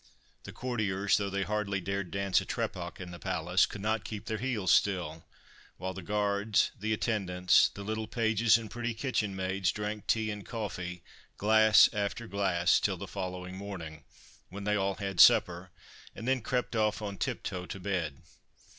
The courtiers, though they hardly dared dance a Trepak in the palace, could not keep their heels still ; while the guards, the attendants, the little pages and pretty kitchen maids, drank tea and coffee, glass after glass, till the following morning, when they all had supper, and then crept off on tip toe to bed.